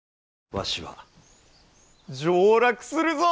わしは上洛するぞ！